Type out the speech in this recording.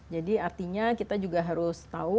jadi artinya kita juga harus tahu